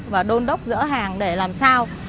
và đôn đốc dở hàng để làm sao